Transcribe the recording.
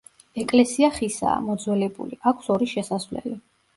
ეკლესია ხისაა, მოძველებული, აქვს ორი შესასვლელი.